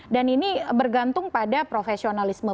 dan ini bergantung pada profesionalisme